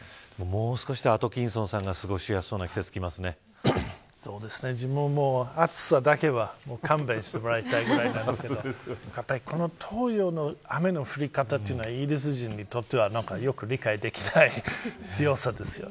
もうすぐでアトキンソンさんが過ごしやすそうな季節が自分も暑さだけは勘弁してもらいたいぐらいなんですけどやっぱり東洋の雨の降り方はイギリス人にとってはよく理解できない強さですよね。